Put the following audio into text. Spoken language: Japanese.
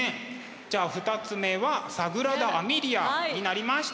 じゃあ２つ目は「サグラダ・編みリア」になりました。